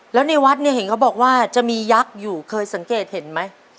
แล้วในวัดเนี่ยเห็นเขาบอกว่าจะมียักษ์อยู่เคยสังเกตเห็นไหม